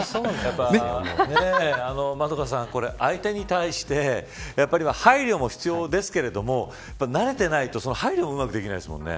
円香さん、相手に対してやっぱり配慮も必要ですけれども慣れていないと配慮もうまくできないですもんね。